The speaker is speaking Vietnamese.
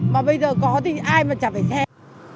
mà bây giờ có thì ai mà chẳng phải xem